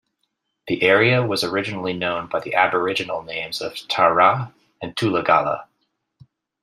The area was originally known by the Aboriginal names of Tar-ra and Tullagalla.